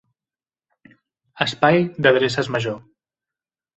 Espai d'adreces major.